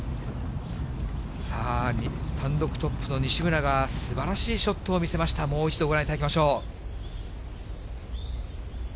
さあ、単独トップの西村が、すばらしいショットを見せました、もう一度ご覧いただきましょう。